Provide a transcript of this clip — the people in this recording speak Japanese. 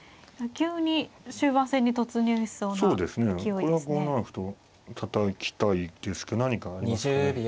これは５七歩とたたきたいですけど何かありますかね。